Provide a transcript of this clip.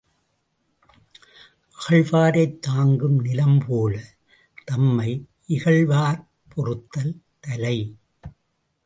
அகழ்வாரைத் தாங்கும் நிலம்போலத் தம்மை இகழ்வார்ப் பொறுத்தல் தலை.